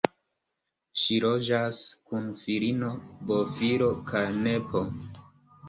Ŝi loĝas kun filino, bofilo kaj nepo.